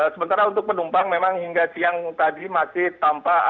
sementara untuk penumpang memang hingga siang tadi masih tanpa adanya anggaran